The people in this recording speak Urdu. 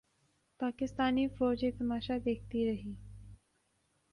پاکستانی فوج یہ تماشا دیکھتی رہی۔